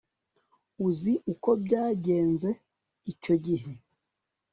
Uzi uko byagenze icyo gihe